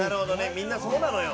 みんなそうなのよ。